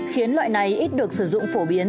khiến loại này ít được sử dụng phổ biến